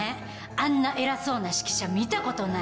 あんな偉そうな指揮者見たことない。